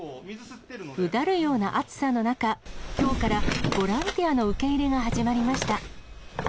うだるような暑さの中、きょうからボランティアの受け入れが始まりました。